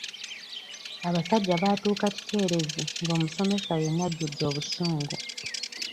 Abasajja baatuuka kikeerezi nga omusomesa yenna ajjudde obusungu.